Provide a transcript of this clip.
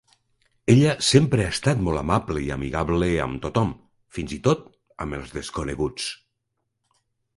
Ella sempre ha estat molt amable i amigable amb tothom, fins i tot amb els desconeguts.